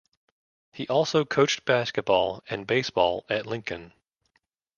He also coached basketball and baseball at Lincoln.